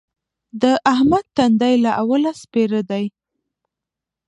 د احمد تندی له اوله سپېره دی.